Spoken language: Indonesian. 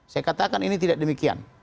saya katakan ini tidak demikian